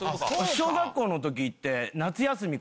小学校の時って夏休み